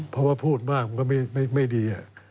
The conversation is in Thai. เพราะพูดมากก็มันไม่ดี